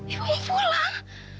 ibu mau pulang